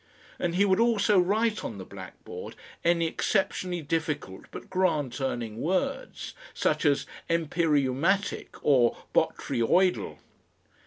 And he would also write on the blackboard any exceptionally difficult but grant earning words, such as "empyreumatic" or "botryoidal."